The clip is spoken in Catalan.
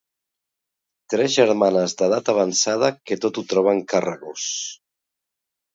Tres germanes d'edat avançada que tot ho troben carregós.